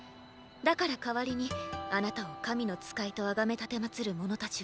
だから代わりにあなたを神の使いと崇めたてまつる者たちを。